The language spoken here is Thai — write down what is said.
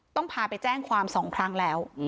ต้องพาไปแจ้งความ๒ครั้งแล้ว